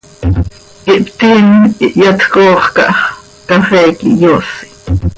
Ihptiim, ihyatj coox cah x, cafee quih hyoosi.